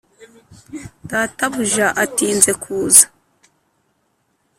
databuja atinze kuza